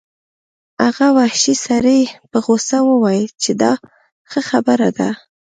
هغه وحشي سړي په غوسه وویل چې دا ښه خبره ده